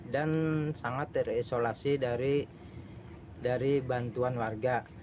dan sangat terisolasi dari bantuan warga